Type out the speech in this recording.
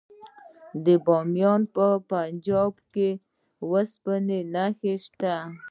د بامیان په پنجاب کې د وسپنې نښې شته.